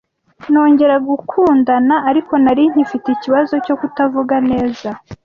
nongera gukundana ariko nari nkifite ikibazo cyo kutavuga neza,